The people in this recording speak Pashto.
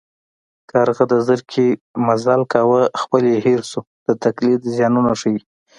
کارغه د زرکې مزل کاوه خپل یې هېر شو د تقلید زیانونه ښيي